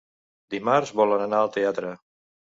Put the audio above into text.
Dimarts volen anar al teatre.